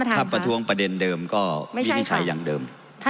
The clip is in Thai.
ถ้าประท้วงประเด็นเดิมก็วินิจฉัยอย่างเดิม